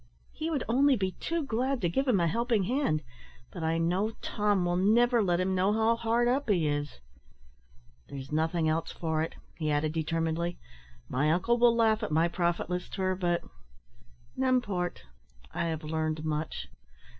He would only be too glad to give him a helping hand; but I know Tom will never let him know how hard up he is. There's nothing else for it," he added, determinedly; "my uncle will laugh at my profitless tour but, n'importe, I have learned much.